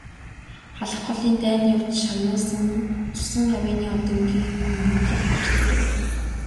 Халх голын дайнд явж шагнуулсан цусан гавьяаны одонгийн нь үнэмлэх гарч ирэв.